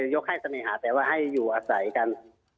ยกให้เสน่หาแต่ว่าให้อยู่อาศัยกัน